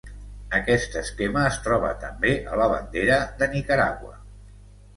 Aquest esquema es troba també a la bandera de Nicaragua.